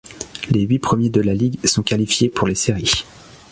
Les huit premiers de la ligue sont qualifiés pour les séries.